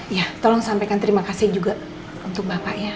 iya tolong sampaikan terima kasih juga untuk bapaknya